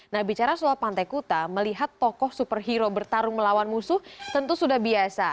nah bicara soal pantai kuta melihat tokoh superhero bertarung melawan musuh tentu sudah biasa